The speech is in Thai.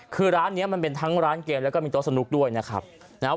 คือร้านนี้มันเป็นทั้งร้านเกมแล้วก็มีโต๊ะสนุกด้วยนะครับ